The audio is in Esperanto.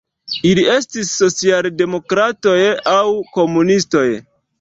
Ili estis socialdemokratoj aŭ komunistoj.